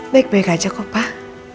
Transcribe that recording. baik baik aja kok pak